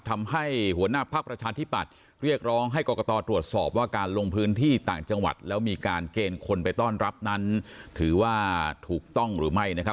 ทำให้หัวหน้าภักดิ์ประชาธิปัตย์เรียกร้องให้กรกตตรวจสอบว่าการลงพื้นที่ต่างจังหวัดแล้วมีการเกณฑ์คนไปต้อนรับนั้นถือว่าถูกต้องหรือไม่นะครับ